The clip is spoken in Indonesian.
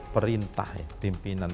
perang tu amat belilah perang